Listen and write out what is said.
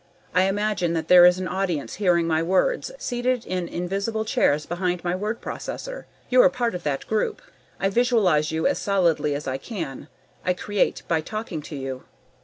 I imagine that there is an audience hearing my words, seated in invisible chairs behind my word processor. You are part of that group. I visualize you as solidly as I can. I create by talking to you.